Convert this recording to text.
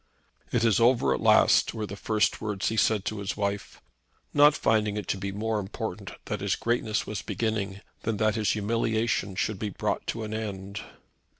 "It is over at last" were the first words he said to his wife, not finding it to be more important that his greatness was beginning than that his humiliation should be brought to an end.